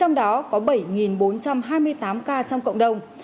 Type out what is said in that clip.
trong đó có bảy bốn trăm hai mươi tám ca trong cộng đồng